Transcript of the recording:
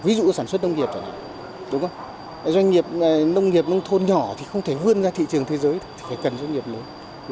ví dụ sản xuất nông nghiệp doanh nghiệp nông thôn nhỏ thì không thể vươn ra thị trường thế giới phải cần doanh nghiệp lớn